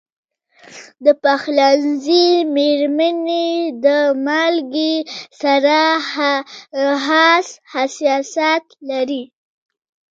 د پخلنځي میرمنې د مالګې سره خاص حساسیت لري.